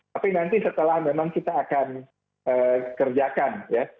tapi nanti setelah memang kita akan kerjakan ya